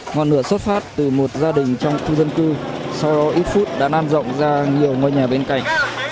ngoài nửa xuất phát từ một gia đình trong khu dân cư sau đó ít phút đã nan rộng ra nhiều ngôi nhà bên cạnh